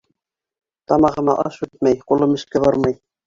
Тамағыма аш үтмәй, ҡулым эшкә бармай.